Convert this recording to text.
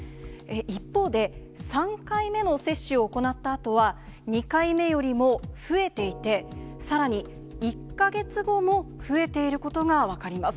一方で、３回目の接種を行ったあとは、２回目よりも増えていて、さらに、１か月後も増えていることが分かります。